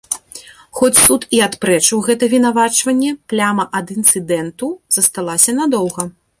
Хоць суд і адпрэчыў гэта вінавачанне, пляма ад інцыдэнту засталася надоўга.